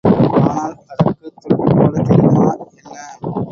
ஆனால் அதற்குத் துடுப்புப் போடத் தெரியுமா என்ன?